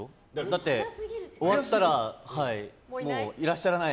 だって、終わったらもういらっしゃらない。